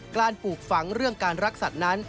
ปลูกฝังเรื่องการรักสัตว์นั้น